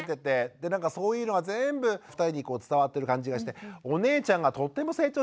でそういうのが全部２人に伝わってる感じがしてお姉ちゃんがとても成長してますもんね。